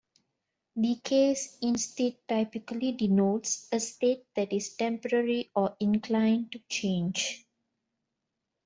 The case instead typically denotes a state that is temporary or inclined to change.